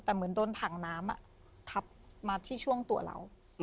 แต่เหมือนโดนถังน้ำทับมาที่ช่วงตัวเรา